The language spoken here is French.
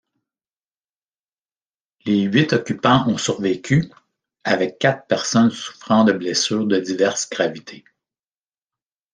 Les huit occupants ont survécu, avec quatre personnes souffrant de blessures de diverse gravité.